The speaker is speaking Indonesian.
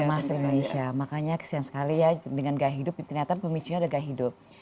termasuk indonesia makanya kesian sekali ya dengan nggak hidup ternyata pemicunya ada nggak hidup